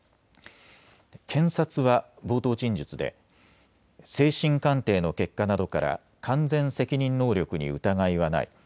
検察は冒頭陳述で精神鑑定の結果などから完全責任能力に疑いはない。